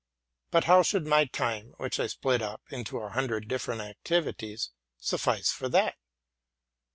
But how should my time, which I split up into an hundred different activities, suffice for that?